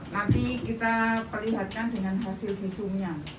nanti kita perlihatkan dengan hasil visumnya